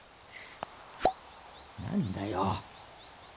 何だよ。